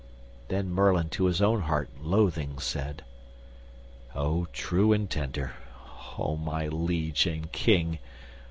Then Merlin to his own heart, loathing, said: "O true and tender! O my liege and King!